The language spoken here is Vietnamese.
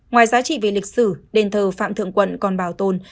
ngoài giá trị về lịch sử đền thờ phạm thượng quận còn bảo tồn